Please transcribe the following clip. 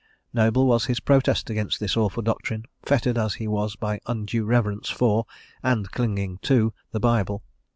Noble was his protest against this awful doctrine, fettered as he was by undue reverence for, and clinging to, the Bible.